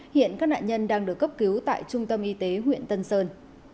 hiện các nạn nhân đang được cấp cứu tại trung tâm y tế huyện tân sơn